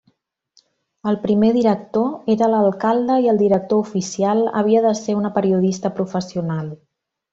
El primer director era l’alcalde i el director oficial havia de ser una periodista professional.